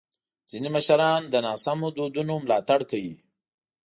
ځینې مشران د ناسم دودونو ملاتړ کوي.